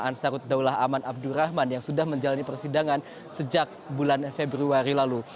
ansarut daulah aman abdurrahman yang sudah menjalani persidangan sejak bulan februari lalu